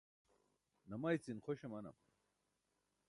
namaycin xoś amanam